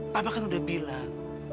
papa kan udah bilang